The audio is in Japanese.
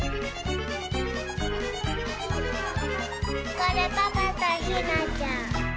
これパパとひなちゃん。